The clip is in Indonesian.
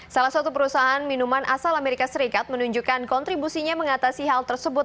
salah satu perusahaan minuman asal amerika serikat menunjukkan kontribusinya mengatasi hal tersebut